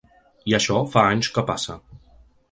I això fa anys que passa.